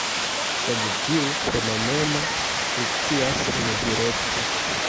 Sed tiu fenomeno funkcias unudirekte.